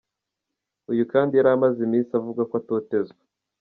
Uyu kandi yari amaze iminsi avuga ko atotezwa.